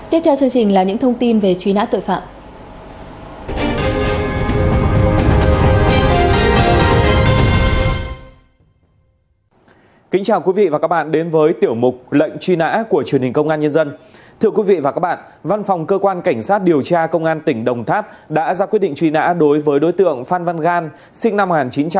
tiếp theo xin xin là những thông tin về truy nã tội phạm